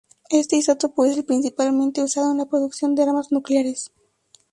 Este isótopo es el principalmente usado en la producción de armas nucleares.